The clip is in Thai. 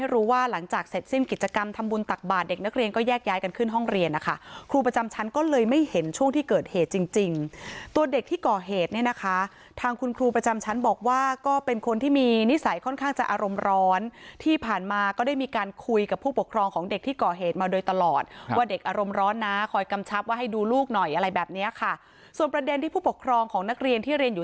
เรียนห้องเรียนนะคะครูประจำชั้นก็เลยไม่เห็นช่วงที่เกิดเหตุจริงตัวเด็กที่ก่อเหตุเนี่ยนะคะทางคุณครูประจำชั้นบอกว่าก็เป็นคนที่มีนิสัยค่อนข้างจะอารมณ์ร้อนที่ผ่านมาก็ได้มีการคุยกับผู้ปกครองของเด็กที่ก่อเหตุมาโดยตลอดว่าเด็กอารมณ์ร้อนนะคอยกำชับว่าให้ดูลูกหน่อยอะไรแบบนี้ค่ะส่วนประเด็นที่ผู้ปกคร